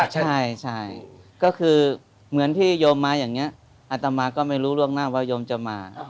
ด้วยใช่ก็คือเหมือนที่โยมมาอย่างเงี้ยอัตมาก็ไม่รู้ลวกนั่งว่ายมจะมา